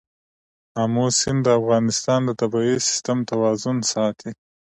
آمو سیند د افغانستان د طبعي سیسټم توازن ساتي.